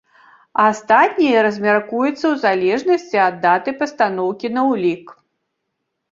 Астатняе размяркуецца ў залежнасці ад даты пастаноўкі на ўлік.